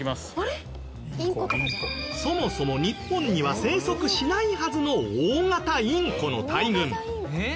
そもそも日本には生息しないはずの大型インコの大群。